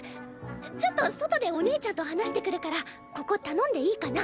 ちょっと外でお姉ちゃんと話してくるからここ頼んでいいかな？